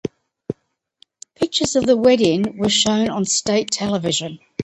Pictures of the wedding were shown on state television.